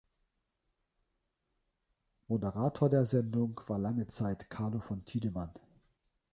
Moderator der Sendung war lange Zeit Carlo von Tiedemann.